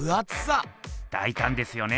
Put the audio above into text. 大たんですよね！